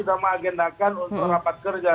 kita mengagendakan untuk rapat kerja